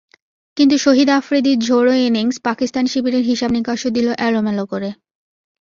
কিন্তু শহীদ আফ্রিদির ঝোড়ো ইনিংস পাকিস্তান শিবিরের হিসাব-নিকাশও দিল এলোমেলো করে।